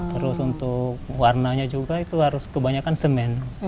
terus untuk warnanya juga itu harus kebanyakan semen